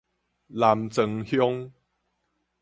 南庄鄉